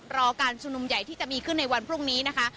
รอการชุมนุมใหญ่ที่จะมีขึ้นในวันพรุ่งนี้นะคะ